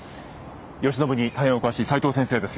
慶喜に大変お詳しい齊藤先生です。